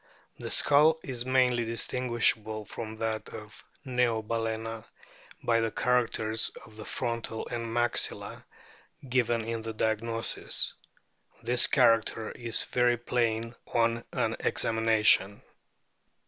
(Fig. 21.) The skull is mainly distinguishable from that of Neobalcena by the characters of the frontal and maxilla given in the diagnosis ; this character is very plain on an examination.